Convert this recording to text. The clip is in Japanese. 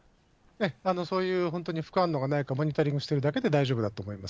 そういう本当に副反応がないか、モニタリングしてるだけで大丈夫かと思います。